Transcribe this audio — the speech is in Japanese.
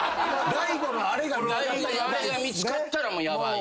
大悟のあれが見つかったらヤバい。